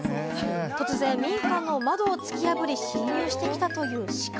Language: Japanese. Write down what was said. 突然、民家の窓を突き破り、侵入してきたというシカ。